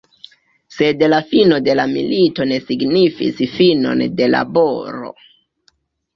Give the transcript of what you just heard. Sed la fino de la milito ne signifis finon de laboro.